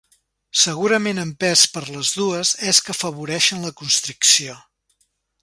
Segurament empès per les dues es que afavoreixen la constricció.